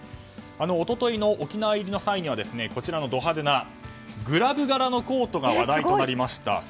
一昨日の沖縄入りの際にはこちらのド派手なグラブ柄のコートが話題となりました。